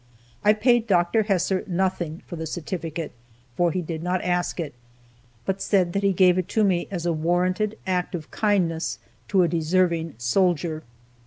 I paid Dr. Hesser nothing for the certificate, for he did not ask it, but said that he gave it to me as a warranted act of kindness to a deserving soldier.